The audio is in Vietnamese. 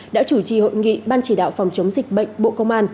đã chủ trì hội nghị ban chỉ đạo phòng chống dịch bệnh bộ công an